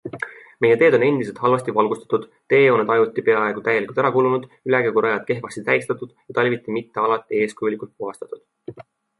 Meie teed on endiselt halvasti valgustatud, teejooned ajuti peaaegu täielikult ära kulunud, ülekäigurajad kehvasti tähistatud ja talviti mitte alati eeskujulikult puhastatud.